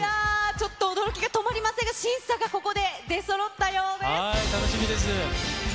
ちょっと驚きが止まりませんが、審査がここで出そろったよう楽しみです。